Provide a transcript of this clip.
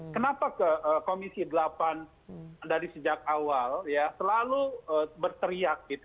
kenapa ke komisi delapan